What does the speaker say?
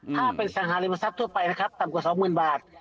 ถ้าเป็นสังหาริมทรัพย์ทั่วไปนะครับต่ำกว่า๒๐๐๐บาท